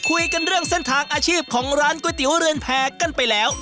คุยกันเรื่องเส้นทางอาชีพของร้านก๋วยเตี๋ยวเรือนแพรกันไปแล้ว